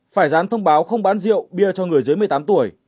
phải dán thông báo không bán rượu bia cho người dưới một mươi tám tuổi